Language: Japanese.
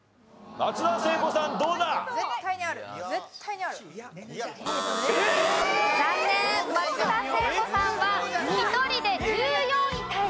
松田聖子さんは１人で１４位タイです。